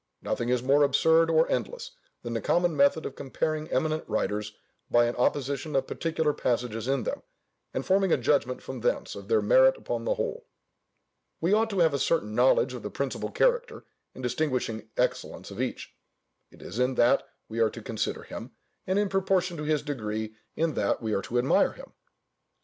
Nothing is more absurd or endless, than the common method of comparing eminent writers by an opposition of particular passages in them, and forming a judgment from thence of their merit upon the whole. We ought to have a certain knowledge of the principal character and distinguishing excellence of each: it is in that we are to consider him, and in proportion to his degree in that we are to admire him.